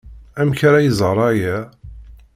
Amek ara iẓer aya?